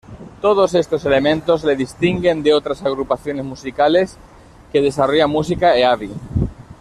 Todos estos elementos le distinguen de otras agrupaciones musicales que desarrollan música "heavy".